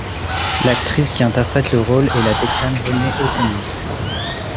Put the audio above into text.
L'actrice qui interprète le rôle est la texane Renée O'Connor.